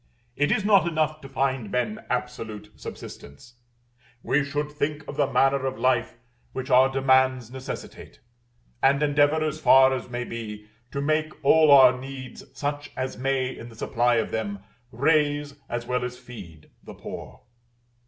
It is not enough to find men absolute subsistence; we should think of the manner of life which our demands necessitate; and endeavor, as far as may be, to make all our needs such as may, in the supply of them, raise, as well as feed, the poor.